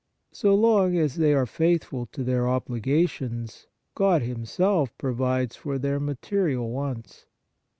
So long as they are faithful to their obligations, God Himself provides for their material wants.